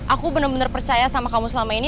aku bener bener percaya sama kamu selama ini